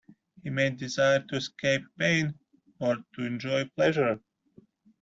He may desire to escape pain, or to enjoy pleasure.